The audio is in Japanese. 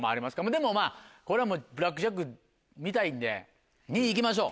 でもまぁこれはブラックジャック見たいんで２位行きましょう。